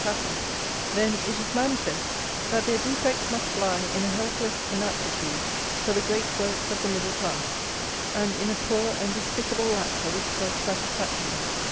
Cattle, then it is manifest that their defect must lie in a helpless inaptitude for the great works of the middle class, and in a poor and despicable lack of its self satisfaction.